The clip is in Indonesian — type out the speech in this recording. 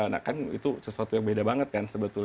nah kan itu sesuatu yang beda banget kan sebetulnya